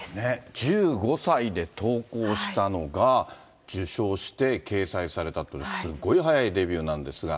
１５歳で投稿したのが受賞して、掲載されたっていうの、すごい早いデビューなんですが。